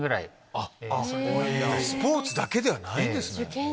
スポーツだけではないんですね。